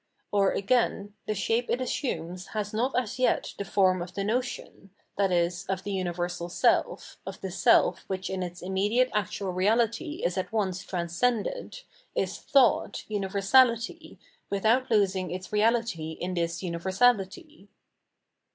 Or again, the shape it assumes has not as yet the form of the notion, i.e. of the universal self, of the self which in its immediate actual reality is at once transcended, is thought, universality, without losing its reahty in this universality.